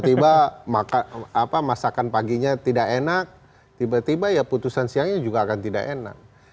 tiba tiba masakan paginya tidak enak tiba tiba ya putusan siangnya juga akan tidak enak